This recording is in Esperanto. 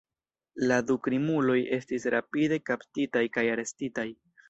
La du krimuloj estis rapide kaptitaj kaj arestitaj.